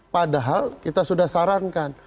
padahal kita sudah sarankan